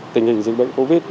tình hình dịch bệnh covid